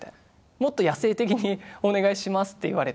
「もっと野性的にお願いします」って言われて。